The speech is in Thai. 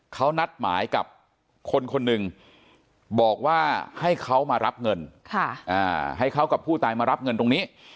เขานัดหมายกับคนคนหนึ่งบอกว่าให้เขามารับเงินให้เขากับผู้ตายมารับเงินตรงนี้